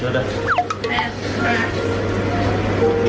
เอาใหม่